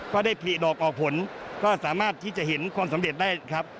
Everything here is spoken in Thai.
ก็ได้ผลิดอกออกผลก็สามารถที่จะเห็นความสำเร็จได้ครับ